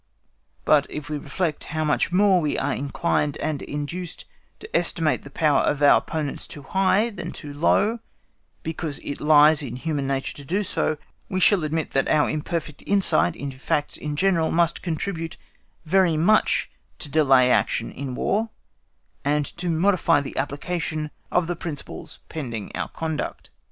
But if we reflect how much more we are inclined and induced to estimate the power of our opponents too high than too low, because it lies in human nature to do so, we shall admit that our imperfect insight into facts in general must contribute very much to delay action in War, and to modify the application of the principles pending our conduct.